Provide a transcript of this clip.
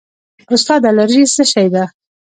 استاده الرژي څه شی ده